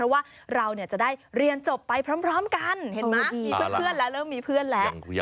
อ่าเอาล่ะผมอยากเห็นจริงจริงเลยอยากเห็นบรรยากาศตอนการรับน้องเนี่ย